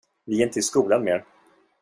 Vi är inte i skolan mer.